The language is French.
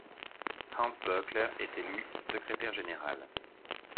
Hans Böckler est élu secrétaire général.